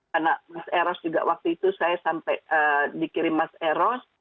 karena mas eros juga waktu itu saya sampai dikirim mas eros